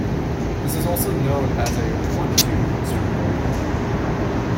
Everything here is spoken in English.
This is also known as a "One-Two" in street ball.